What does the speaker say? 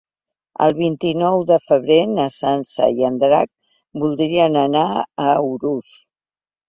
El vint-i-nou de febrer na Sança i en Drac voldrien anar a Urús.